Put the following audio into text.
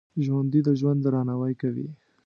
ژوندي د ژوند درناوی کوي